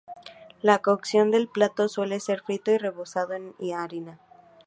La cocción del plato suele ser frito y rebozado en harina.